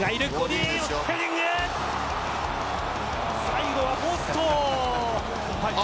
最後はポスト！